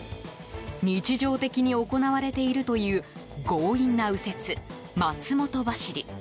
日常的に行われているという強引な右折、松本走り。